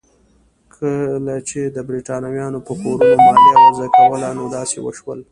کله چې برېټانویانو په کورونو مالیه وضع کوله نو داسې وشول.